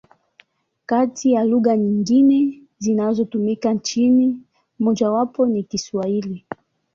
Kati ya lugha nyingine zinazotumika nchini, mojawapo ni Kiswahili.